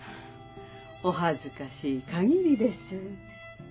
お恥ずかしいかぎりです。